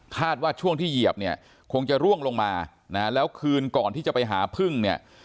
คาดว่าช่วงที่เหยียบคงจะร่วงลงมาแล้วคืนก่อนที่จะไปหาพึ่ง